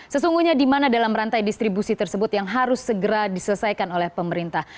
sesungguhnya di mana dalam rantai distribusi tersebut yang harus segera diselesaikan oleh pemerintah